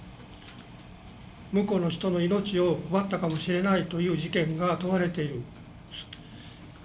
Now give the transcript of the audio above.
無辜の人の命を奪ったかもしれないという事件が問われている。